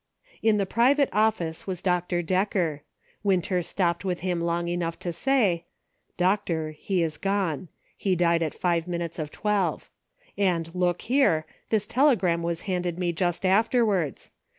In the private office was Dr. Decker. Winter stopped with him long enough to say :" Doctor, he is gone. He died at five minutes of twelve. And look here, this telegram was handed me just afterwards.